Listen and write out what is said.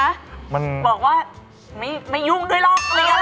มันบอกว่าไม่ยุ่งด้วยหรอก